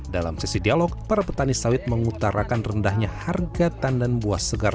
dalam sesi dialog para petani sawit mengutarakan rendahnya harga tandan buah segar